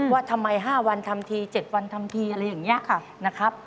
ว่าทำไม๕วันทำที๗วันทำทีอะไรอย่างนี้นะครับ